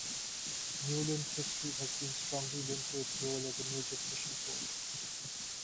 Newlyn's history has been strongly linked to its role as a major fishing port.